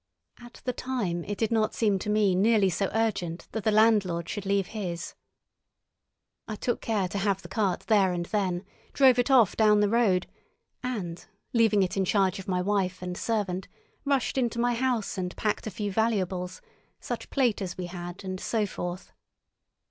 At the time it did not seem to me nearly so urgent that the landlord should leave his. I took care to have the cart there and then, drove it off down the road, and, leaving it in charge of my wife and servant, rushed into my house and packed a few valuables, such plate as we had, and so forth.